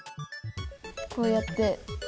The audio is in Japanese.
こうやって。